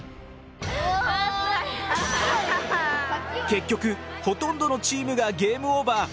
結局ほとんどのチームがゲームオーバー。